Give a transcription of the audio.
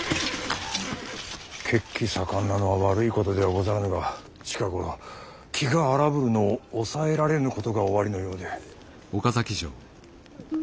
血気盛んなのは悪いことではござらぬが近頃気が荒ぶるのを抑えられぬことがおありのようで。